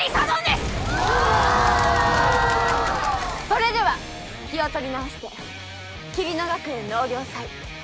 それでは気を取り直して桐乃学園納涼祭